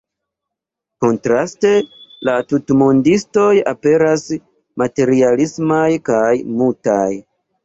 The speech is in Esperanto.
Kontraste, la tutmondistoj aperas materiismaj kaj mutaj.